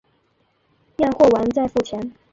验货完再付钱